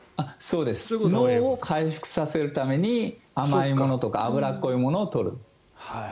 脳を回復させるために甘いものとか脂っこいものを取る。